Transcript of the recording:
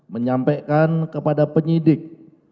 menyampaikan kepada penyidik